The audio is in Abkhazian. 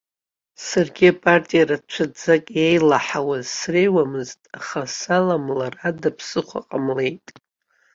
Саргьы апартиа рацәаӡак еилаҳауаз среиуамызт, аха саламлар ада ԥсыхәа ҟамлеит.